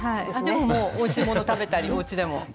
でももうおいしいもの食べたりおうちでも。